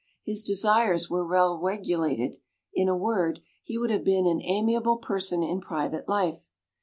His desires were well regulated in a word, he would have been an amiable person in private life.